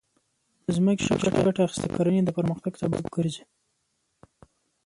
د ځمکې ښه ګټه اخیستنه د کرنې د پرمختګ سبب ګرځي.